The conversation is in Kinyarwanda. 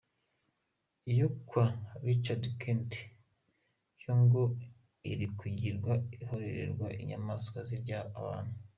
Iyo kwa Richard Kandt yo ngo iri kugirwa ahororerwa inyamaswa zirya abantu